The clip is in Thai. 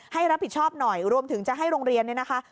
ให้รับผิดชอบหน่อยรวมถึงจะให้โรงเรียนเนี่ยนะคะ